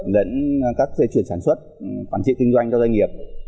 đến các dây chuyền sản xuất quản trị kinh doanh cho doanh nghiệp